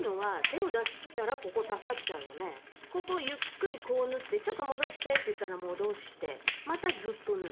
怖いのはここゆっくりこう縫って「ちょっと戻して」って言ったら戻してまたずっと縫う。